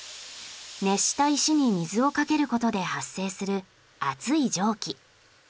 熱した石に水をかけることで発生する熱い蒸気。